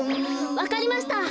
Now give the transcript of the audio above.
わかりました！